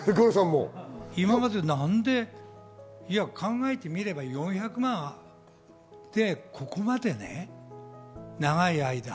今まで何で考えてみれば４００万でここまで長い間。